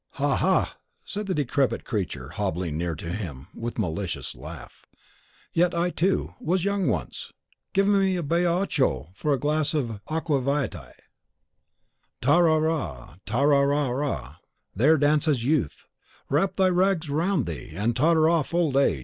"Ha, ha!" said the decrepit creature, hobbling near to him, and with a malicious laugh. "Yet I, too, was young once! Give me a baioccho for a glass of aqua vitae!" Tara, rara, ra rara, tara, rara ra! There dances Youth! Wrap thy rags round thee, and totter off, Old Age!